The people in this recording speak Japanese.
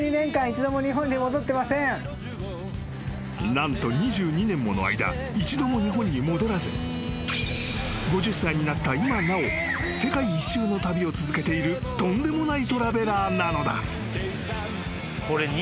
［何と２２年もの間一度も日本に戻らず５０歳になった今なお世界一周の旅を続けているとんでもないトラベラーなのだ］